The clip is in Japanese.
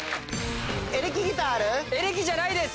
エレキじゃないです。